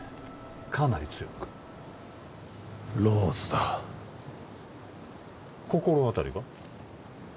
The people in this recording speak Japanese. かなり強くローズだ心当たりが？